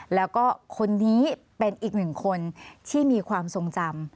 แล้วก็คนนี้เป็นอีกหนึ่งคนที่มีความทรงจำ